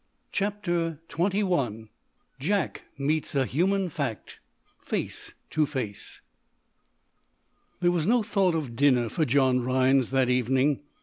CHAPTER XXI JACK MEETS A HUMAN FACT, FACE TO FACE There was no thought of dinner for John Rhinds that evening.